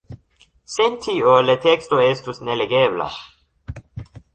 Sen tio la teksto estus nelegebla.